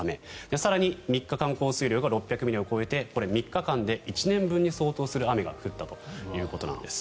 更に３日間降水量が６００ミリを超えてこれ、３日間で１年分に相当する雨が降ったということです。